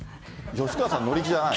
吉川さん乗り気じゃない。